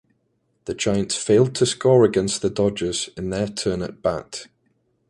The Giants failed to score against the Dodgers in their turn at bat.